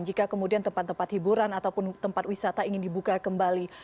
jika kemudian tempat tempat hiburan ataupun tempat wisata ingin dibuka kembali